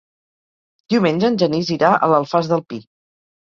Diumenge en Genís irà a l'Alfàs del Pi.